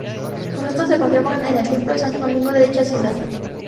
Sus restos se conservan en el templo de Santo Domingo de dicha ciudad.